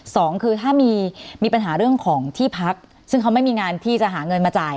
สองคือถ้ามีปัญหาเรื่องของที่พักซึ่งเขาไม่มีงานที่จะหาเงินมาจ่าย